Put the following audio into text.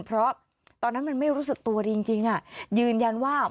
เพราะตอนนั้นมันไม่รู้สึกตัวจริงยืนยันว่า